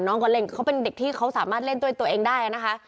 น้องก็เล่นเขาเป็นเด็กที่เขาสามารถเล่นด้วยตัวเองได้นะคะ